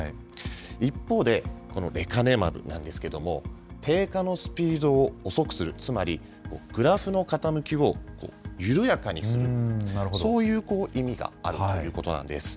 一方で、このレカネマブなんですけれども、低下のスピードを遅くする、つまりグラフの傾きを緩やかにする、そういう意味があるということなんです。